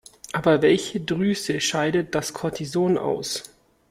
Aber welche Drüse scheidet das Cortison aus?